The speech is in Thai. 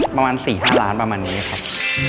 ประมาณ๔๕ล้านประมาณนี้ครับ